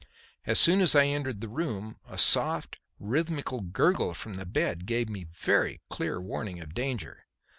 As soon as I entered the room, a soft, rhythmical gurgle from the bed gave me a very clear warning of danger.